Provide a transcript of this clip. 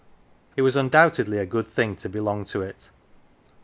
It was undoubtedly a good thing to belong to it.